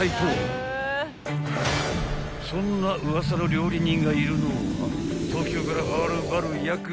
［そんなウワサの料理人がいるのは］